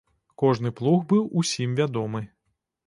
Кожны плуг быў усім вядомы.